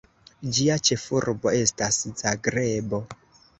Ĝia ĉefurbo estas Zagrebo.